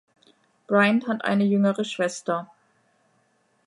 Bryan hat eine jüngere Schwester.